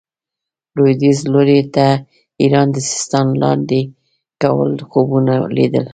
لوېدیځ لوري ته ایران د سیستان لاندې کولو خوبونه لیدل.